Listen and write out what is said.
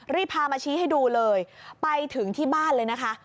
รีบพามาชี้ให้ดูเลยไปถึงที่บ้านเลยนะคะ